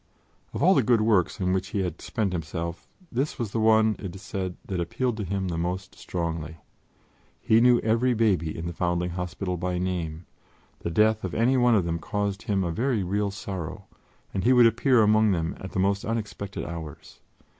Of all the good works on which he had spent himself, this was the one, it is said, that appealed to him the most strongly. He knew every baby in the Foundling Hospital by name; the death of any one of them caused him a very real sorrow, and he would appear among them at the most unexpected hours.